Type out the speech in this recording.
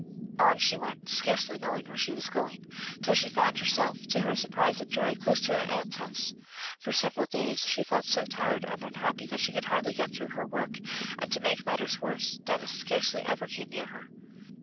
On she went, scarcely knowing where she was going, till she found herself, to her surprise and joy, close to her aunt's house. For several days she felt so tired and unhappy that she could hardly get through her work, and to make matters worse Denis scarcely ever came near her.